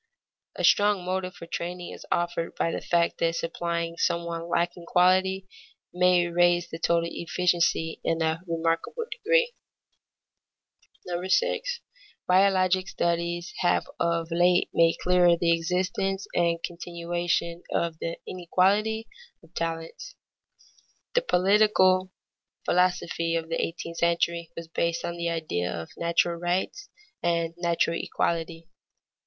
A strong motive for training is offered by the fact that supplying some one lacking quality may raise the total efficiency in a remarkable degree. [Sidenote: Inequality of talents shown by biologic studies] 6. Biologic studies have of late made clearer the existence and continuation of the inequality of talents. The political philosophy of the eighteenth century was based on the idea of natural rights and natural equality.